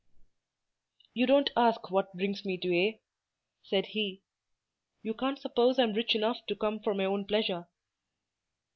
"You don't ask what brings me to A——" said he. "You can't suppose I'm rich enough to come for my own pleasure."